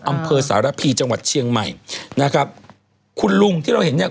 อำเภอสารพีจังหวัดเชียงใหม่นะครับคุณลุงที่เราเห็นเนี่ย